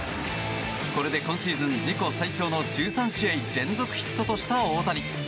これで今シーズン自己最長の１３試合連続ヒットとした大谷。